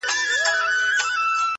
• روهیلۍ د روهستان مي څه ښه برېښي,